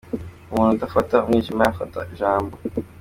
Ku muntu udafata umwijima yafata jambo.